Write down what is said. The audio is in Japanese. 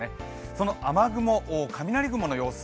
その雨雲、雷雲の様子